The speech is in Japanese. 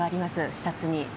視察に。